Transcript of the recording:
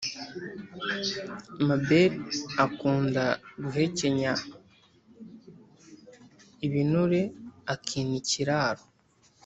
mabel akunda guhekenya ibinure akina ikiraro